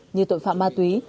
như tội phạm ma túy